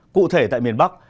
cụ thể tại miền bắc